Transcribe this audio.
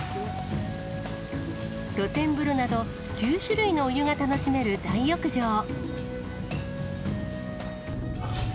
露天風呂など、９種類のお湯が楽しめる大浴場。